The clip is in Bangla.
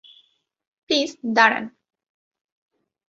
প্লিজ, দাঁড়ান।